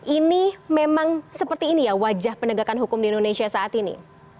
ini memang seperti ini ya wajah penegakan hukum di indonesia saat ini